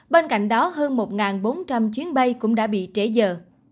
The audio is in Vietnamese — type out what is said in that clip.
bên cạnh đó hơn một bốn trăm linh chuyến bay cũng đã bị trễ dờ